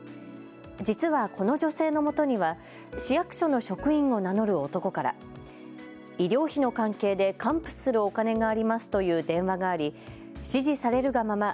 実はこの女性のもとには市役所の職員を名乗る男から医療費の関係で還付するお金がありますという電話があり指示されるがまま